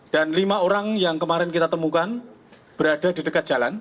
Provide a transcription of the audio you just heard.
dan lima orang yang kemarin kita temukan berada di dekat jalan